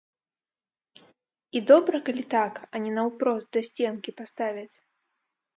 І добра калі так, а не наўпрост да сценкі паставяць.